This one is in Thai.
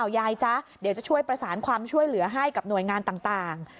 ยายจ๊ะเดี๋ยวจะช่วยประสานความช่วยเหลือให้กับหน่วยงานต่าง